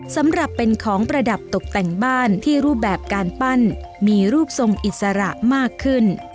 สำหรับเป็นของประดับตกแต่งบ้านที่รูปแบบการปั้นมีรูปทรงอิสระมากขึ้น